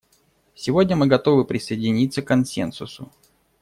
Сегодня мы готовы присоединиться к консенсусу.